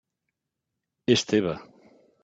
És teva.